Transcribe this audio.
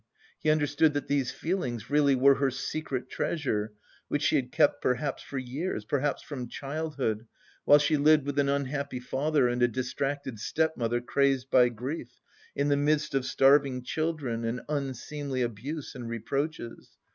He understood that these feelings really were her secret treasure, which she had kept perhaps for years, perhaps from childhood, while she lived with an unhappy father and a distracted stepmother crazed by grief, in the midst of starving children and unseemly abuse and reproaches.